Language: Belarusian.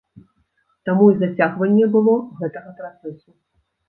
Таму і зацягванне было гэтага працэсу.